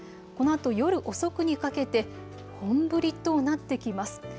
このあと夜遅くにかけて本降りとなってきます。